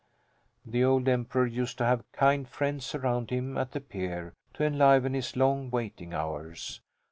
The old Emperor used to have kind friends around him at the pier, to enliven his long waiting hours.